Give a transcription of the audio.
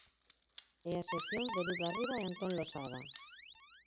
E as seccións de Luz Darriba e Antón Losada.